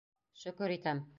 Шөкөр итәм.